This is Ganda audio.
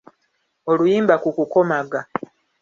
Oluyimba ku kukomaga.